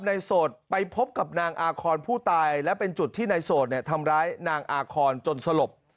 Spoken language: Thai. โสดไปพบกับนางอาคอนผู้ตายและเป็นจุดที่นายโสดเนี่ยทำร้ายนางอาคอนจนสลบ